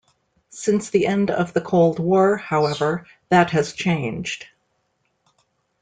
Since the end of the Cold War, however, that has changed.